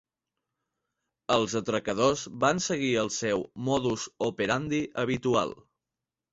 Els atracadors van seguir el seu 'modus operandi' habitual.